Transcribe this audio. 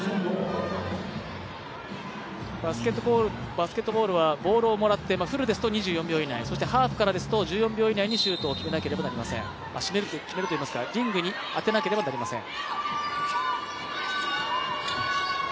バスケットボールはボールをもらって、フルですと、２４秒以内ハーフからですと１４秒以内にシュートを決めるといいますかリングに当てなければいけません。